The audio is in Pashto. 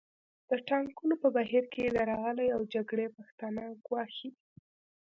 د ټاکنو په بهیر کې درغلۍ او جګړې پښتانه ګواښي